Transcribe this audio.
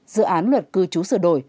dự án luật cư chú sửa đổi